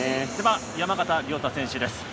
山縣亮太選手です。